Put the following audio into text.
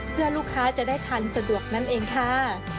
เพื่อลูกค้าจะได้ทันสะดวกนั่นเองค่ะ